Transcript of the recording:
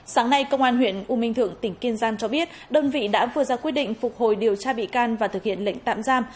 sáng nay công an huyện u minh thượng tỉnh kiên giang cho biết đơn vị đã vừa ra quyết định phục hồi điều tra bị can và thực hiện lệnh tạm giam